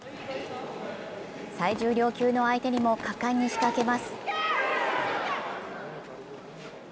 最重量級の相手にも果敢に仕掛けます。